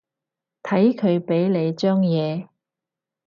睇佢畀你張嘢